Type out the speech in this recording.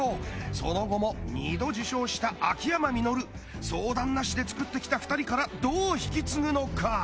その後も２度受賞した秋山実相談なしで作ってきた２人からどう引き継ぐのか？